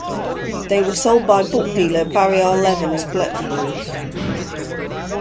They were sold by book dealer Barry R. Levin as collectibles.